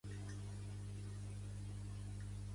Què és La profecia de l'endevina?